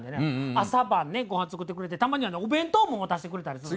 朝晩ね御飯作ってくれてたまにはねお弁当も持たしてくれたりする。